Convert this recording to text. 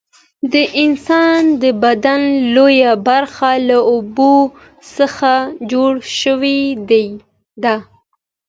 د انسان د بدن لویه برخه له اوبو څخه جوړه شوې ده